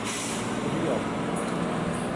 ทุนนิยม